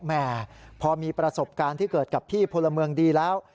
แม่พอมีประสบการณ์ที่เกิดกับพี่พลเมืองดีแล้ว